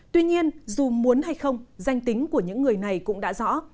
tuy nhiên dù muốn hay không danh tính của những người này cũng đã rõ